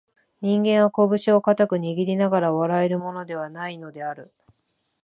人間は、こぶしを固く握りながら笑えるものでは無いのである